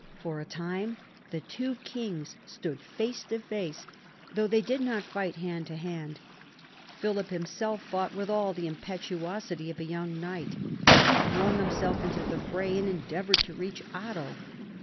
For a time the two kings stood face to face, though they did not fight hand to hand. Philip himself fought with all the impetuosity of a young knight. He flung himself into the fray and endeavoured to reach Otto.